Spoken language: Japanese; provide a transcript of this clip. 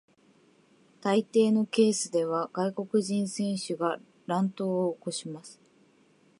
大抵のケースでは外国人選手が乱闘を起こします。